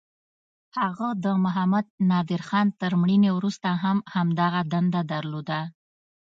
هغه د محمد نادرخان تر مړینې وروسته هم همدغه دنده درلوده.